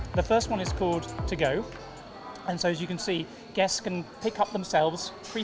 sebelum balik penonton menyampaikan mbaknya